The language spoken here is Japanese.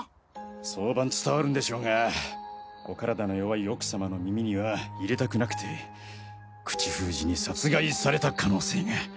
早晩伝わるんでしょうがお体の弱い奥様の耳には入れたくなくて口封じに殺害された可能性が。